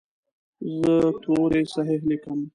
زه توري صحیح لیکم.